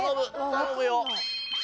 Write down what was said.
頼むよ！